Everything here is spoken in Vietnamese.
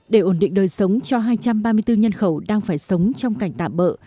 để ổn định đời sống cho hai trăm ba mươi bốn nhân khẩu đang phải sống trong cảnh tạm bỡ